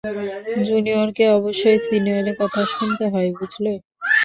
জুনিয়রকে অবশ্যই সিনিয়রের কথা শুনতে হয়, বুঝলে?